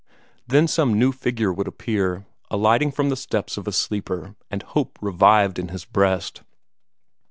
Then some new figure would appear, alighting from the steps of a sleeper, and hope revived in his breast.